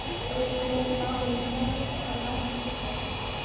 اب رشتوں میں نہ خلوص رہا ہے اور نہ ہی سچائی